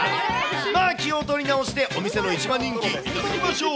まあ、気を取り直して、お店の一番人気、頂きましょう。